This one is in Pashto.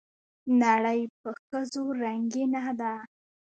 نړۍ په ښځو رنګينه ده